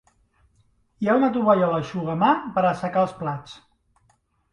Hi ha una tovallola eixugamà per assecar els plats